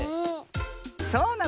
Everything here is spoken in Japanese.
そうなのね。